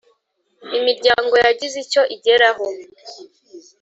Imiryango yagize icyo igeraho